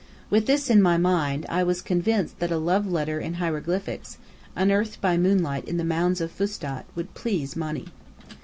With this in my mind, I was convinced that a love letter in hieroglyphics, unearthed by moonlight in the mounds of Fustat, would please Monny.